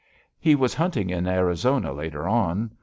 _] He was hunting in Arizona later on.